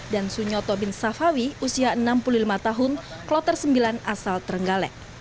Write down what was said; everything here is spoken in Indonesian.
dan sunyoto bin safawi usia enam puluh lima tahun kloter sembilan asal terenggalek